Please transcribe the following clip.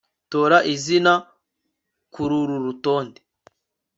Tora izina kururu rutonde